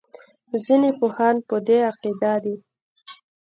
ځینې پوهان په دې عقیده دي.